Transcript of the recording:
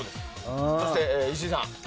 そして、石井さん